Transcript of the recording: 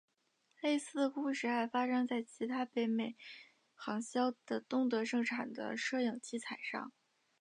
类似的故事还发生在其他北美行销的东德生产的摄影器材上。